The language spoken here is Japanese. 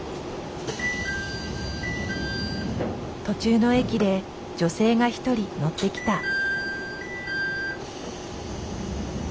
途中の駅で女性が一人乗ってきた。